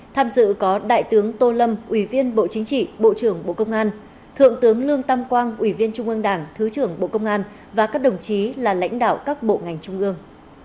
tham dự có đại tướng tô lâm ủy viên bộ chính trị bộ trưởng bộ công an thượng tướng lương tam quang ủy viên trung ương đảng thứ trưởng bộ công an và các đồng chí là lãnh đạo các bộ ngành trung ương